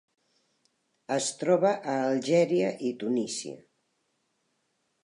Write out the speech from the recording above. Es troba a Algèria i Tunísia.